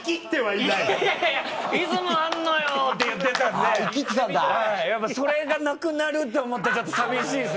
はいそれがなくなると思ったらちょっと寂しいです